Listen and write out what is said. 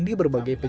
di berbagai pilihan